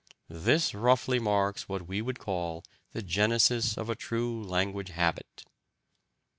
This roughly marks what we would call the genesis of a true language habit."